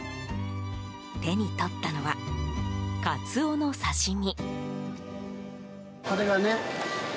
手に取ったのはカツオの刺し身。